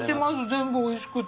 全部おいしくて。